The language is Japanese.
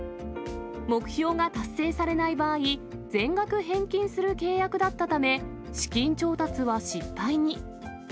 目標が達成されない場合、全額返金する契約だったため、資金調達は失敗に。